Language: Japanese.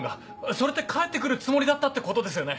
それって帰って来るつもりだったってことですよね？